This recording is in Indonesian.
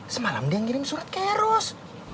semalam dia ngirim surat kayak eros